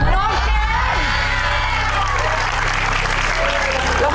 น้องเจมส์